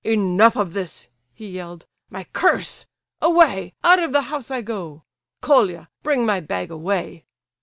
"Enough of this!" he yelled. "My curse—away, out of the house I go! Colia, bring my bag away!"